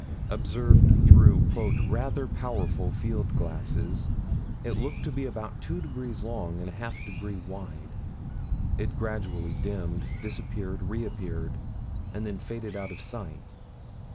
Observed through "rather powerful field glasses," it looked to be about two degrees long and half a degree wide. It gradually dimmed, disappeared, reappeared, and then faded out of sight.